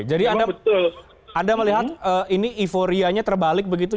jadi anda melihat ini euforianya terbalik begitu